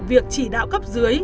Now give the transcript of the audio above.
việc chỉ đạo cấp dưới